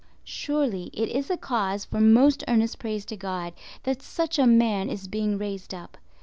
Surely it is a cause for most earnest praise to God that such a man is being raised up.